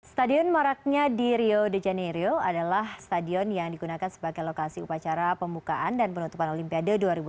stadion maraknya di rio de janeiril adalah stadion yang digunakan sebagai lokasi upacara pembukaan dan penutupan olimpiade dua ribu delapan belas